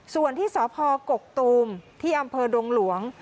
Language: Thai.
ส่วนที่สพกกตูมที่อำเภอดงหลวง